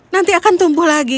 nanti akan tumbuh lagi